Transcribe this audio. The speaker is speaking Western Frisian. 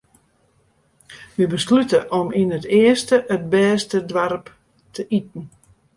Wy beslute om yn it earste it bêste doarp te iten.